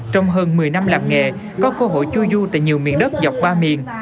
trong hơn một mươi năm làm nghề có cơ hội chu du tại nhiều miền đất dọc ba miền